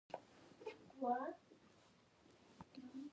ازادي راډیو د د اوبو منابع په اړه د فیسبوک تبصرې راټولې کړي.